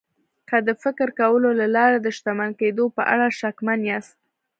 که د فکر کولو له لارې د شتمن کېدو په اړه شکمن ياست.